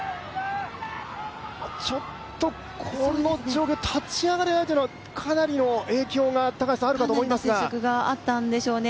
ちょっと、この状況立ち上がれないというのはかなりの影響があると思いますがかなりの接触があったんしょうね